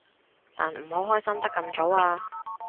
但唔好開心得咁早啊